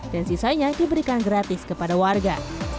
dan sisanya diberikan gratis kepada warga